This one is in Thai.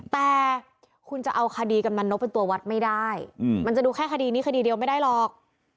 แต่คุณจะเอาคดีกำนันนกเป็นตัววัดไม่ได้มันจะดูแค่คดีนี้คดีเดียวไม่ได้หรอก